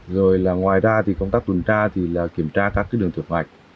rồi là ngoài ra thì công tác tuần tra thì là kiểm tra các cái đường thượng hoạch